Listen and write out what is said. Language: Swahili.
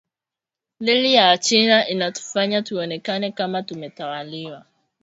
Reli ya wachina inatufanya tunaonekana kama tumetawaliwa